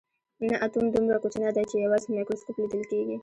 نه اتوم دومره کوچنی دی چې یوازې په مایکروسکوپ لیدل کیږي